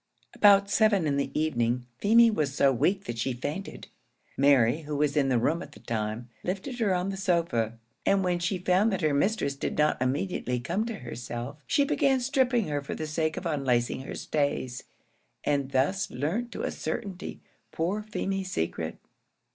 About seven in the evening Feemy was so weak that she fainted. Mary, who was in the room at the time, lifted her on the sofa, and when she found that her mistress did not immediately come to herself, she began stripping her for the sake of unlacing her stays, and thus learnt to a certainty poor Feemy's secret.